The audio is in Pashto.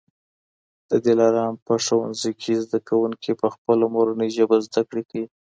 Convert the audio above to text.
د دلارام په ښوونځي کي زده کوونکي په خپله مورنۍ ژبه زده کړه کوي.